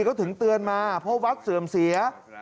ก็ถึงเตือนมาเพราะวัดเสื่อมเสีย